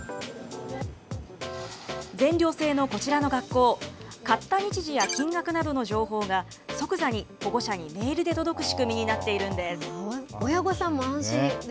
全寮制のこちらの学校、買った日時や金額などの情報が、即座に保護者にメールで届く仕組みになっているんです。